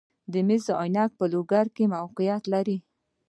مس عینک په لوګر ولایت کې موقعیت لري